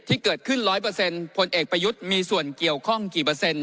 ที่เกิดขึ้น๑๐๐พลเอกประยุทธ์มีส่วนเกี่ยวข้องกี่เปอร์เซ็นต